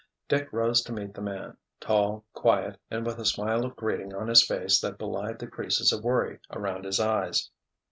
Dick rose to meet the man, tall, quiet, and with a smile of greeting on his face that belied the creases of worry around his eyes.